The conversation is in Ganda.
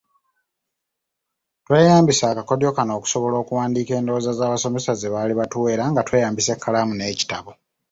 Tweyaambisa akakodyo kano okusobola okuwandiika endowooza z'abasomesa ze baali batuwa era nga tweyambisa ekkalamu n'ekitabo.